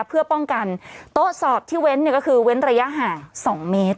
เพื่อป้องกันโต๊ะสอบที่เว้นเนี่ยก็คือเว้นระยะห่าง๒เมตร